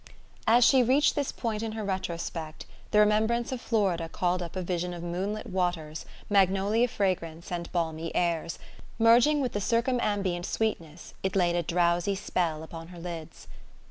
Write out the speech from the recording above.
As she reached this point in her retrospect the remembrance of Florida called up a vision of moonlit waters, magnolia fragrance and balmy airs; merging with the circumambient sweetness, it laid a drowsy spell upon her lids.